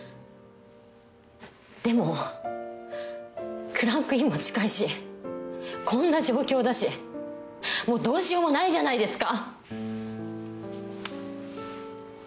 でもクランクインも近いしこんな状況だしもうどうしようもないじゃないですか。